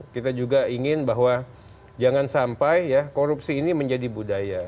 kita juga ingin bahwa jangan sampai ya korupsi ini menjadi budaya